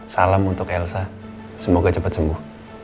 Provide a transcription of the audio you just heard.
salam untuk elsa semoga cepat sembuh